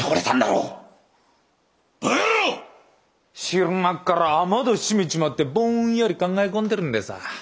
昼間っから雨戸閉めちまってぼんやり考え込んでるんでさあ。